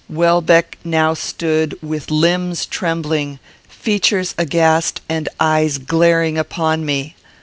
Welbeck now stood, with limbs trembling, features aghast, and eyes glaring upon me.